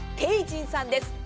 ＴＥＩＪＩＮさんです。